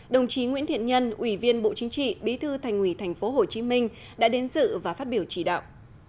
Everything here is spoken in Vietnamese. đồng chí nguyễn thiện nhân ủy viên bộ chính trị bí thư thành ủy thành phố hồ chí minh đã đến dự và phát biểu chỉ đạo